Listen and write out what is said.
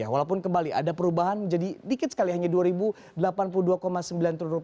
walaupun kembali ada perubahan menjadi dikit sekali hanya rp dua delapan puluh dua sembilan triliun